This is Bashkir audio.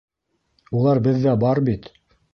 Улар беҙҙә бар бит.